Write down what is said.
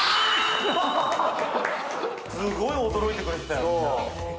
すごい驚いてくれてたよ